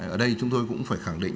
ở đây chúng tôi cũng phải khẳng định